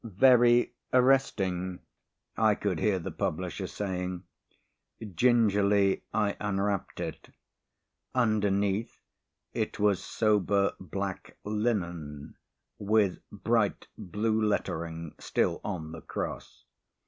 "Very arresting," I could hear the publisher saying. Gingerly I unwrapped it. Underneath, it was sober black linen, with bright blue lettering still on the cross.